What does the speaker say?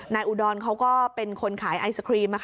อุดรเขาก็เป็นคนขายไอศครีม